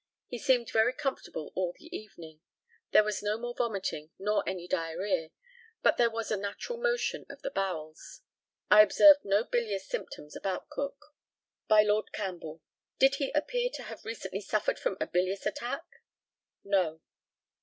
He seemed very comfortable all the evening. There was no more vomiting nor any diarrhœa, but there was a natural motion of the bowels. I observed no bilious symptoms about Cook. By Lord CAMPBELL: Did he appear to have recently suffered from a bilious attack? No.